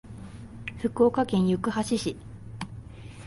福岡県行橋市